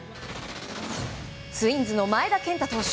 ツインズの前田健太投手